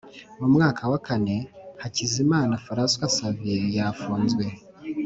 Mu mwaka wa kane Hakizimana Franc ois Xavier yafunzwe